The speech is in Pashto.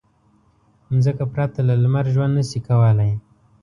مځکه پرته له لمر ژوند نه شي کولی.